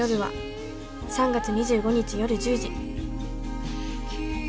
３月２５日夜１０時。